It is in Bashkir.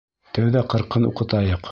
Тәүҙә ҡырҡын уҡытайыҡ...